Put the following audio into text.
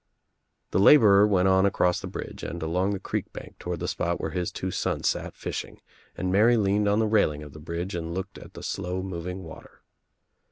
The laborer went on across the bridge and along the creek bank toward the spot where his two sons sat fishing and Mary leaned on the railing of the bridge and looked at the slow moving water.